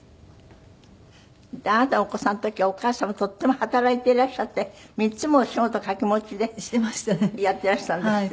あなたがお子さんの時はお母様とっても働いていらっしゃって３つもお仕事掛け持ちでやってらしたんですって？